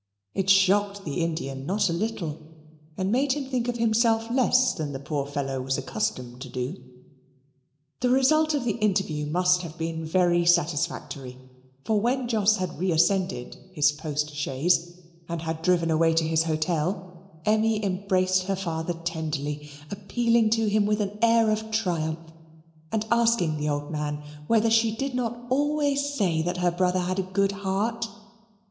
It shocked the Indian not a little and made him think of himself less than the poor fellow was accustomed to do. The result of the interview must have been very satisfactory, for when Jos had reascended his post chaise and had driven away to his hotel, Emmy embraced her father tenderly, appealing to him with an air of triumph, and asking the old man whether she did not always say that her brother had a good heart?